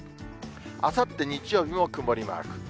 あさって日曜日も曇りマーク。